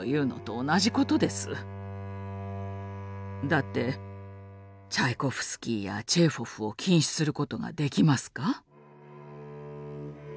だってチャイコフスキーやチェーホフを禁止することができますか？